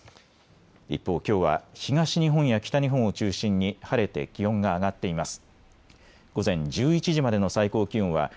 一方、きょうは東日本や北日本を中心に晴れて気温が上がっています。